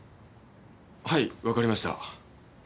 はいわかりました。